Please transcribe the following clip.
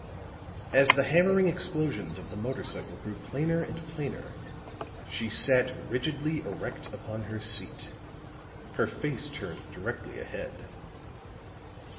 As the hammering explosions of the motor cycle grew plainer and plainer she sat rigidly erect upon her seat, her face turned directly ahead.